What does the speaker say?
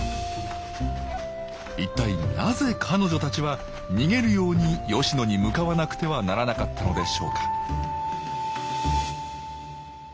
一体なぜ彼女たちは逃げるように吉野に向かわなくてはならなかったのでしょうか